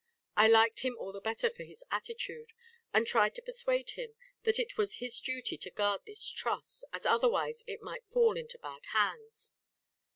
I liked him all the better for his attitude; and tried to persuade him that it was his duty to guard this trust, as otherwise it might fall into bad hands.